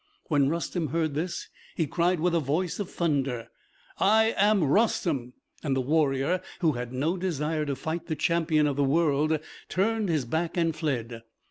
When Rustem heard this, he cried with a voice of thunder, "I am Rustem!" and the warrior, who had no desire to fight the champion of the world, turned his back and fled.